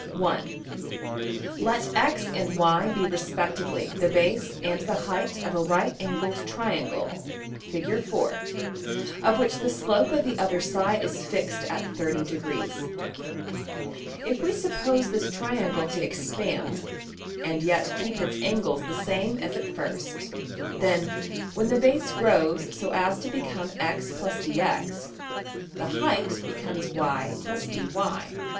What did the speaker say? } (1) Let $x$ and $y$ be respectively the base and the height of a right angled triangle (\Fig), of which \Figure[2.5in]{022a} the slope of the other side is fixed at~$30°$. If we suppose this triangle to expand and yet keep its angles the same as at first, then, when the base grows so as to become $x + dx$, the height becomes $y + dy$.